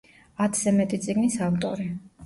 ათზე მეტი წიგნის ავტორი.